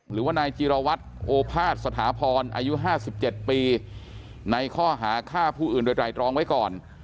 หรือว่านายจิรวัตรโอภาษสถาพรอายุ๕๗ปีในข้อหาฆ่าผู้อื่นโดยไตรรองไว้ก่อน